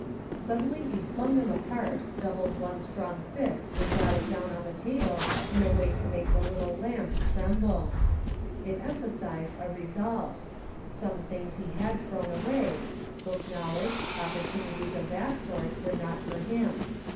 Suddenly he fJung them apart, doubled one strong fist and brought it down on the table in a way to make the little lamp trem ble. It emphasized a resolve ; some things he had thrown away; book knowledge, opportunities of that sort, were not for him.